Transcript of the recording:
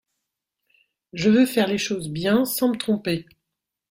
Je veux faire les choses bien, sans me tromper.